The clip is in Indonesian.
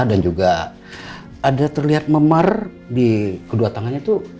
dan juga ada terlihat memar di kedua tangannya tuh